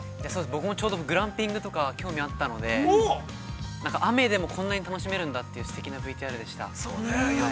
◆僕もちょうどグランピングとか、興味あったので、なんか雨でもこんなに楽しめるんだというすてきなＶＴＲでした。